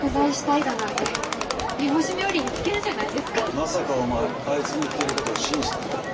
まさかお前あいつの言っていることを信じたのか？